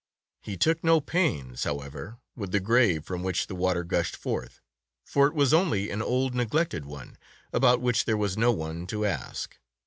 He took no pains, however, with the grave from which the water gushed forth, for it was only an old neglected one, about which there was no one to ask.